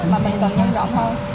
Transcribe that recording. mà mình cần nhân rộng hơn